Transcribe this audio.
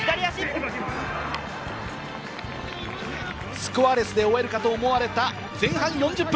スコアレスで終えるかと思われた前半４０分。